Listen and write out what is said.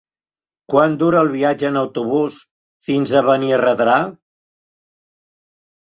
Quant dura el viatge en autobús fins a Benirredrà?